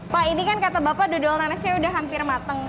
pak ini kan kata bapak dodol nanasnya udah hampir matang